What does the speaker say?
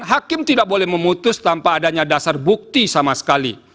hakim tidak boleh memutus tanpa adanya dasar bukti sama sekali